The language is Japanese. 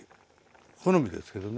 好みですけどね。